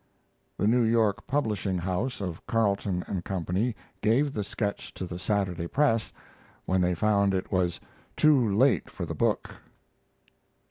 The New York publishing house of Carleton & Co. gave the sketch to the Saturday Press when they found it was too late for the book.